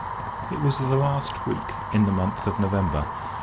It was the last week in the month of November, 18